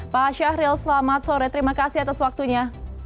pak syahril selamat sore terima kasih atas waktunya